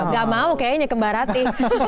gak mau kayaknya kembar hati